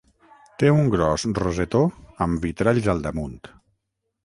Té un gros rosetó amb vitralls al damunt.